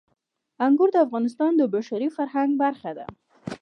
انګور د افغانستان د بشري فرهنګ برخه ده.